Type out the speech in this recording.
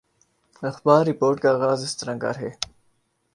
اخبار رپورٹ کا آغاز اس طرح کر ہے